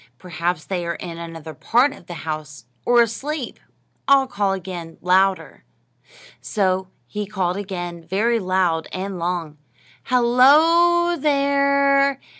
Perhaps they are in another part of the house, or asleep. I'll call again, louder." So he called again, very loud and long, "Hul lo, th e re!